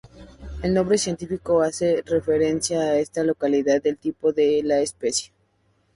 El nombre científico hace referencia a esta localidad del tipo de la especie.